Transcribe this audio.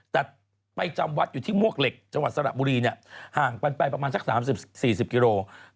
แต่ไปจำวัดอยู่ที่มวกเหล็กจังหวัดสระบุรีห่างกันไปประมาณสัก๓๐๔๐กิโล